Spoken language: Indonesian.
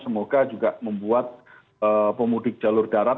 semoga juga membuat pemudik jalur darat